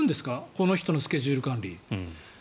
この人のスケジュール管理。